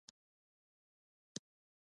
د چین بازارونه له ګڼې ګوڼې ډک دي.